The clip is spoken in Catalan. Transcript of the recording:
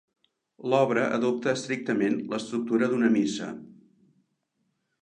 L'obra adopta estrictament l'estructura d'una missa.